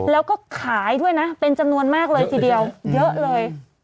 แล้วก็ขายด้วยนะเป็นจำนวนมากเลยทีเดียวเยอะเลย